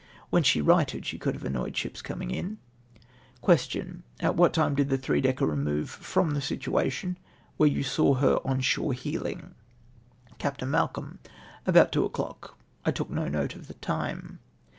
When she righted, she could have annoyed ships coming in." Question. — "At what time did the three decker remove from the situation where you saw her on shore heeling ?" Capt. jSIalcolm. — "Aljout two o'clock. I took no note of the time."